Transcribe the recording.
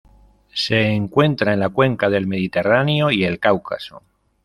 Se encuentra en la Cuenca del Mediterráneo y el Cáucaso.